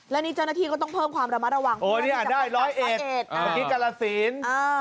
แล้วนี่เจ้าหน้าที่ก็ต้องเพิ่มความระมะระวังเพื่อที่จะเป็นกรรมศักดิ์ศักดิ์เอก